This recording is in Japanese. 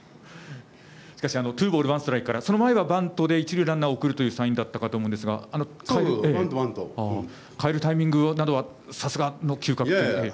しかし、ツーボールワンストライクからその前はバントから一塁ランナーを送るというサインだったかと思うんですが変えるタイミングなどはさすがの嗅覚と。